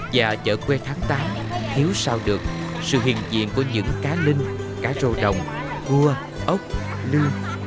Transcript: và chợ quê tháng tám hiếu sao được sự hiền diện của những cá linh cá rô đồng cua ốc lương